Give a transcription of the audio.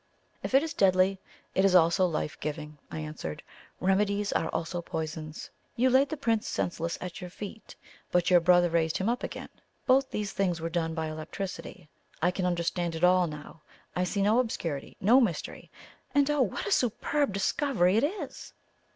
"If it is deadly, it is also life giving," I answered. "Remedies are also poisons. You laid the Prince senseless at your feet, but your brother raised him up again. Both these things were done by electricity. I can understand it all now; I see no obscurity, no mystery. And oh, what a superb discovery it is!"